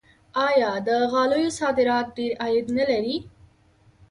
آیا د غالیو صادرات ډیر عاید نلري؟